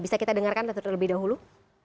bisa kita dengarkan terlebih dahulu